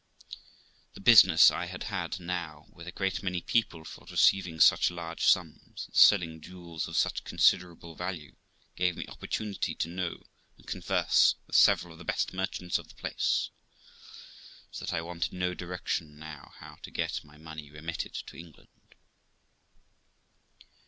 The business I had had now with a great many people for receiving such large sums and selling jewels of such considerable value gave me opportunity to know and converse with several of the best merchants of of the place, so that I wanted no direction now how to get my money remitted to England.